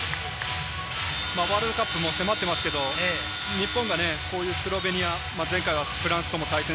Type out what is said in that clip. ワールドカップも迫っていますけれど、日本がスロベニア、前回はフランス。